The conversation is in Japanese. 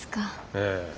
ええ。